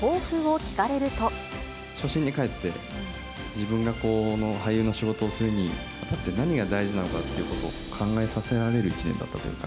初心に帰って、自分が俳優の仕事をするにあたって、何が大事なのかっていうことを考えさせられる１年だったというか。